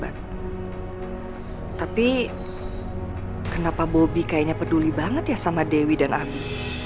tapi kenapa bobi kayaknya peduli banget ya sama dewi dan abi